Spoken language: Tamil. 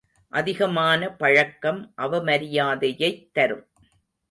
அதிகமான பழக்கம் அவமரியாதையைத் தரும்.